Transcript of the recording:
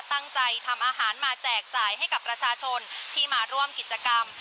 ตั้งใจทำอาหารมาแจกจ่ายให้กับประชาชนที่มาร่วมกิจกรรม